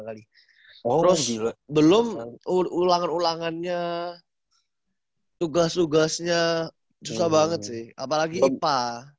belum ulangan ulangannya tugas tugasnya susah banget sih apalagi ipa